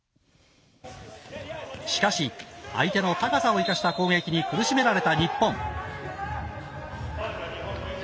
しかし、相手の高さを生かした攻撃に苦しめられた日本。